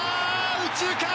右中間！